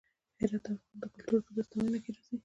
هرات د افغان کلتور په داستانونو کې راځي.